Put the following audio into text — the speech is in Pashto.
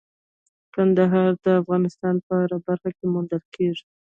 کندهار د افغانستان په هره برخه کې موندل کېږي.